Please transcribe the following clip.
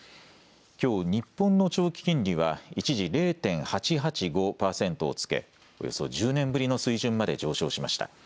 きょう日本の長期金利は一時０．８８５％をつけおよそ１０年ぶりの水準まで上昇しました。